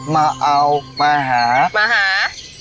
มาเอามาหามาหา